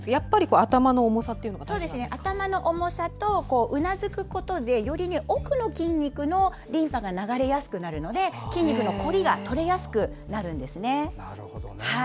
頭の重さとうなずくことで、より奥の筋肉のリンパが流れやすくなるので筋肉の凝りが取れやすくなるんですね。